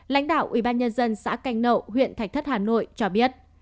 lãnh đạo ubnd xã canh nậu huyện thạch thất hà nội cho biết